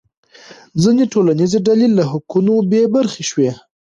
ځینې ټولنیزې ډلې له حقونو بې برخې شوې.